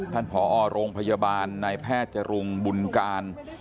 ผอโรงพยาบาลนายแพทย์จรุงบุญการ